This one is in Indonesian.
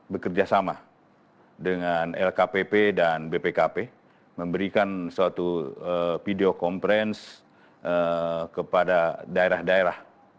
bekerja sama dengan lkpp dan bpkp memberikan suatu video conference kepada daerah daerah